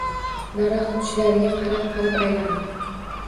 Daraxt uchlariga qarab-qarab aylandi.